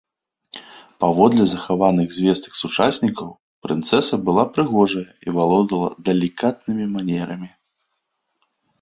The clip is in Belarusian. Паводле захаваных звестак сучаснікаў прынцэса была прыгожая і валодала далікатнымі манерамі.